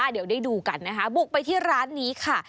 เดี๋ยวได้ดูกันนะคะบุกไปที่ร้านนี้ค่ะ